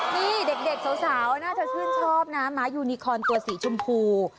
นี่เด็กสาวน่าจะชื่นชอบนะม้ายูนิคอนตัวสีชมพู